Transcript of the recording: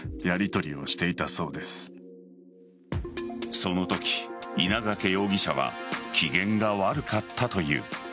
そのとき、稲掛容疑者は機嫌が悪かったという。